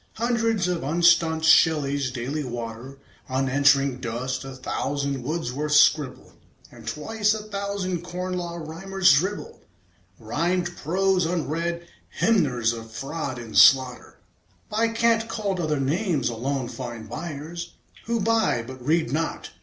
Hundreds of unstaunched Shelleys daily water Unanswering dust; a thousand Wordsworths scribble; And twice a thousand Corn Law Rhymers dribble Rhymed prose, unread. Hymners of fraud and slaughter, By cant called other names, alone find buyers Who buy, but read not.